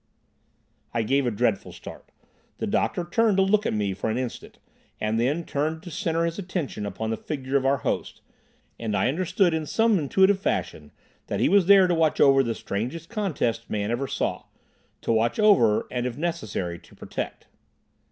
I gave a dreadful start. The doctor turned to look at me for an instant, and then turned to centre his attention upon the figure of our host, and I understood in some intuitive fashion that he was there to watch over the strangest contest man ever saw—to watch over and, if necessary, to protect.